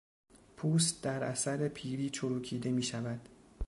پوست در اثر پیری چروکیده میشود.